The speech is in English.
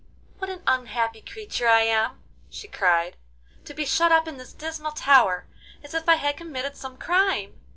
'What an unhappy creature I am,' she cried, 'to be shut up in this dismal tower as if I had committed some crime!